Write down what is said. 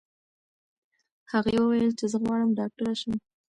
هغې وویل چې زه غواړم ډاکټره شم.